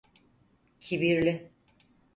Kibirli.